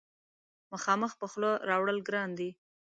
مخامخ په خوله راوړل ګران دي.